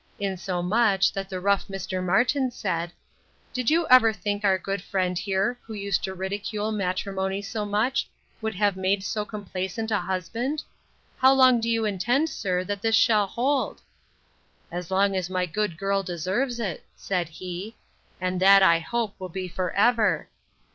Insomuch, that the rough Mr. Martin said, Did you ever think our good friend here, who used to ridicule matrimony so much, would have made so complaisant a husband? How long do you intend, sir, that this shall hold? As long as my good girl deserves it, said he; and that, I hope, will be for ever.